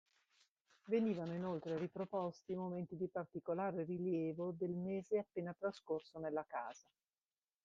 Venivano inoltre riproposti momenti di particolare rilievo del mese appena trascorso nella casa.